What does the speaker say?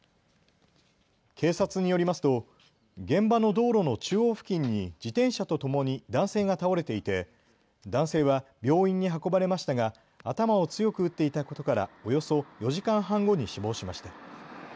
警察によりますと現場の道路の中央付近に自転車とともに男性が倒れていて男性は病院に運ばれましたが頭を強く打っていたことからおよそ４時間半後に死亡しました。